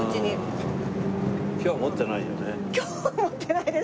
今日は持ってないです